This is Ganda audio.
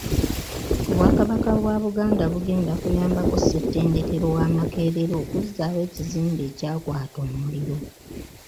Obwakabaka bwa Buganda bugenda kuyambako Ssettendekero wa Makerere okuzzaawo ekizimbe ekyakwata omuliro.